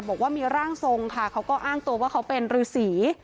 บอกว่ามีร่างทรงค่ะเขาก็อ้างตัวว่าเขาเป็นฤษี